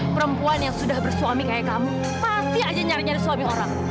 perempuan yang sudah bersuami kayak kamu pasti aja nyari nyari suami orang